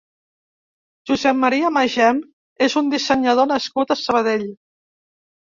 Josep Maria Magem és un dissenyador nascut a Sabadell.